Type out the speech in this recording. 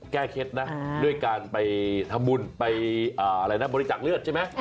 แก้เคล็ดนะด้วยการไปทำบุญไปบริจักษ์เลือดใช่ไหม